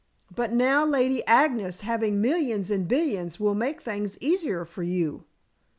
But now Lady Agnes having millions and billions will make things easier for you."